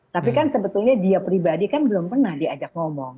tapi kan sebetulnya dia pribadi kan belum pernah diajak ngomong